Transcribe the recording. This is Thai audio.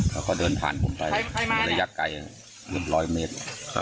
แล้วก็เดินผ่านผมไประยะไกล๑๐๐เมตร